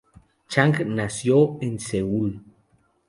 Chang nació en Seúl.